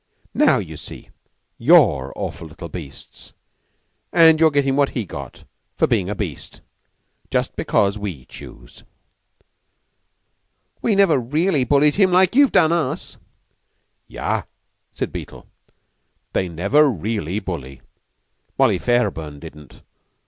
Now, you see, you're awful beasts, and you're gettin' what he got for bein' a beast. Just because we choose." "We never really bullied him like you've done us." "Yah!" said Beetle. "They never really bully 'Molly' Fairburn didn't.